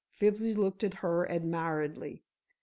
Fibsy looked at her admiringly.